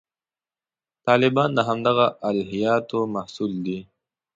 طالبان د همدغه الهیاتو محصول دي.